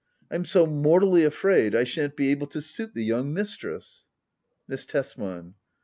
I'm so mortally afraid I shan't be able to suit the young mistress. Miss Tesman.